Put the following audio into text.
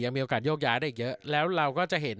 มีโอกาสโยกย้ายได้อีกเยอะแล้วเราก็จะเห็น